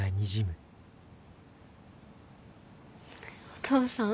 お父さん？